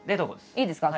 いいですか？